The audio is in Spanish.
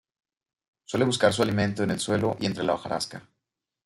Suele buscar su alimento en el suelo y entre la hojarasca.